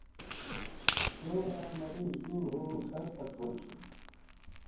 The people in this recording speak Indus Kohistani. شُوگراں مریض جُوڑ ہو ݜرپھت ہوتُھو۔